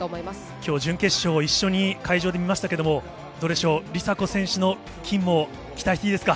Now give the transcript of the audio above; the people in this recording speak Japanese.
きょう、準決勝を一緒に会場で見ましたけれども、どうでしょう、梨紗子選手の金も期待していいですか。